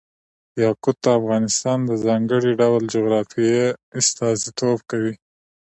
یاقوت د افغانستان د ځانګړي ډول جغرافیه استازیتوب کوي.